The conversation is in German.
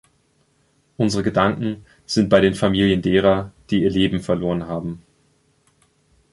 Unsere Gedanken sind bei den Familien derer, die ihr Leben verloren haben.